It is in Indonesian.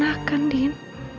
kamu sudah punya keponakan din